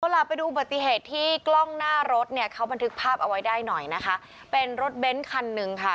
ล่ะไปดูอุบัติเหตุที่กล้องหน้ารถเนี่ยเขาบันทึกภาพเอาไว้ได้หน่อยนะคะเป็นรถเบนท์คันหนึ่งค่ะ